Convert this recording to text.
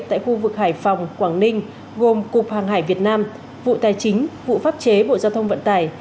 tại khu vực hải phòng quảng ninh gồm cục hàng hải việt nam vụ tài chính vụ pháp chế bộ giao thông vận tải